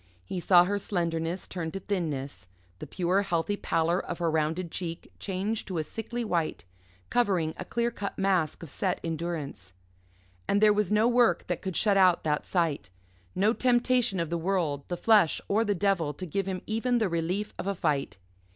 He saw her slenderness turn to thinness, the pure, healthy pallor of her rounded cheek change to a sickly white, covering a clear cut mask of set endurance. And there was no work that could shut out that sight no temptation of the world, the flesh, or the devil to give him even the relief of a fight.